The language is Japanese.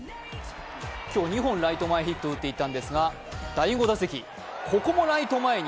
今日２本ライト前ヒットを打っていたんですが、ここもライト前に。